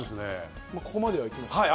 ここまではいきました。